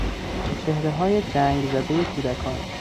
چهرههای جنگزدهی کودکان